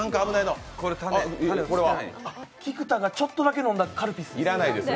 菊田がちょっとだけ飲んだカルピスです。